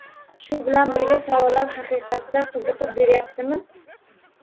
Shu bilan birga savollar haqiqatda qiziqib berayaptimi